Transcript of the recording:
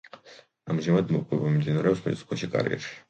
ამჟამად მოპოვება მიმდინარეობს მიწისქვეშა კარიერში.